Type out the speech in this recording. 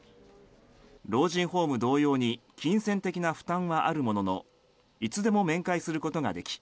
老人ホーム同様に金銭的な負担はあるもののいつでも面会することができ